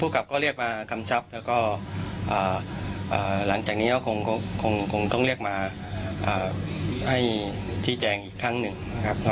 กลับก็เรียกมากำชับแล้วก็หลังจากนี้ก็คงต้องเรียกมาให้ชี้แจงอีกครั้งหนึ่งนะครับ